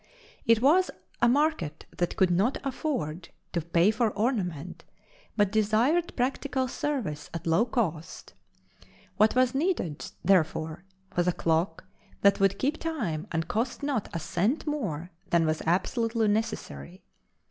It was a market that could not afford to pay for ornament but desired practical service at low cost. What was needed, therefore, was a clock that would keep time and cost not a cent more than was absolutely necessary.